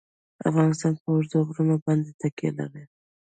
افغانستان په اوږده غرونه باندې تکیه لري.